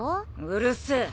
うるせえ。